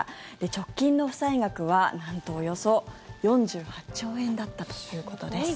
直近の負債額はなんとおよそ４８兆円だったということです。